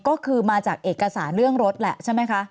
ก็คือมาจากเอกสารเรื่องรถแหละใช่ไหมคะ